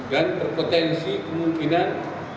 dan berpotensi kemungkinan